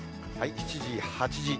７時、８時。